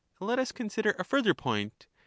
Let us consider a further point. y.